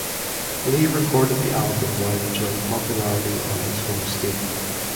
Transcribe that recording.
Lee recorded the album while enjoying popularity on his home state.